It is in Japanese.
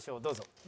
どうぞ。